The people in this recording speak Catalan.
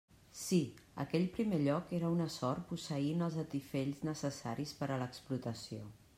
Sí; aquell primer lloc era una sort posseint els atifells necessaris per a l'explotació.